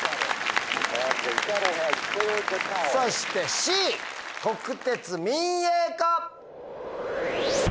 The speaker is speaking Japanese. そしてＣ国鉄民営化。